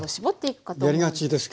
やりがちですけど。